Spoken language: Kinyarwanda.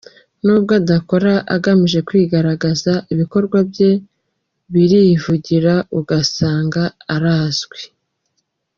Nubwo adakora agamije kwigaragaza, ibikorwa bye birivugira ugasanga arazwi.